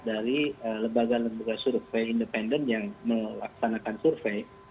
dari lembaga lembaga survei independen yang melaksanakan survei